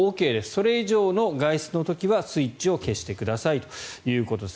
それ以上の外出の時はスイッチを消してくださいということです。